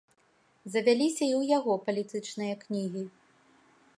Завяліся і ў яго палітычныя кнігі.